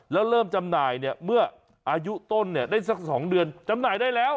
แล้วเริ่มจำหน่ายเนี่ยเมื่ออายุต้นเนี่ยได้สัก๒เดือนจำหน่ายได้แล้ว